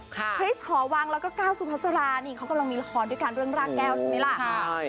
คริสหอวังแล้วก็ก้าวสุภาษารานี่เขากำลังมีละครด้วยกันเรื่องรากแก้วใช่ไหมล่ะ